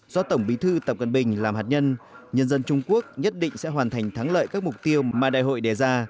do tổng bí thư tập cận bình làm hạt nhân nhân dân trung quốc nhất định sẽ hoàn thành thắng lợi các mục tiêu mà đại hội đề ra